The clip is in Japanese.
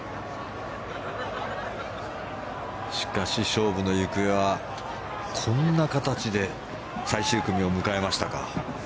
しかし、勝負の行方はこんな形で最終組を迎えましたか。